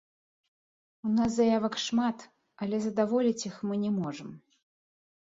У нас заявак шмат, але задаволіць іх мы не можам.